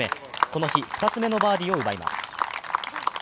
この日、２つ目のバーディーを奪います。